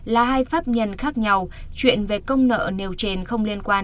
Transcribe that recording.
là hai pháp nhân khác nhau chuyện về công nợ nêu trên không liên quan